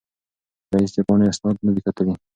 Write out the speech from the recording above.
رییس د پاڼې اسناد نه دي کتلي.